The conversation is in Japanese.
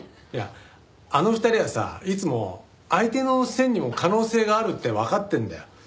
いやあの２人はさいつも相手の線にも可能性があるってわかってるんだよ。